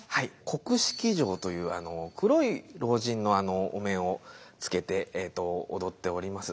黒色尉という黒い老人のお面をつけて踊っております。